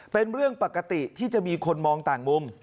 เป็นเรื่องปกติที่จะมีคนมองต่างมุม